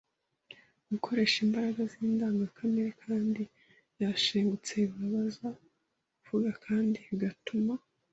Gukoresha imbaraga z’indengakamere kandi yashengutse bibabaza uvuga kandi bigatuma